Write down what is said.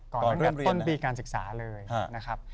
ก่อนต้นปีการศึกษาเลยนะครับ